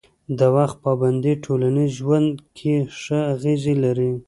د وخت پابندي ټولنیز ژوند کې ښه اغېز لري.